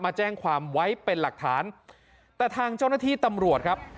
มาแจ้งความไว้เป็นหลักฐานแต่ทางเจ้าหน้าที่ตำรวจครับ